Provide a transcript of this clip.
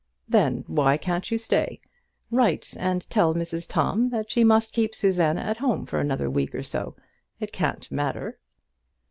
"Then, why can't you stay? Write and tell Mrs Tom that she must keep Susanna at home for another week or so. It can't matter."